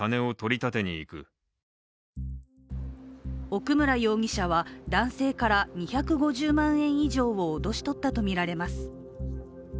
奥村容疑者は男性から２５０万円以上を脅し取ったとみられます。